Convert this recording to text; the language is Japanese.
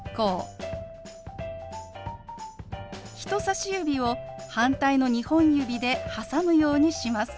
人さし指を反対の２本指で挟むようにします。